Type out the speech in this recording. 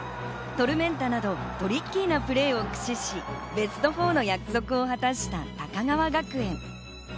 トルメンタなどトリッキーなプレーを駆使し、ベスト４の約束を果たした高川学園。